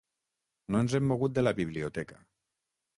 No ens hem mogut de la biblioteca.